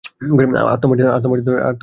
আত্মমর্যাদায় যিনি শীর্ষে।